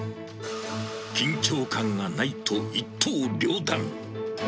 緊張感がないと一刀両断。